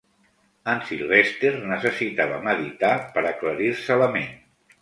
En Sylvester necessitava meditar per aclarir-se la ment.